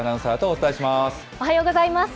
おはようございます。